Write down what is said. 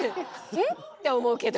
「ん？」って思うけど。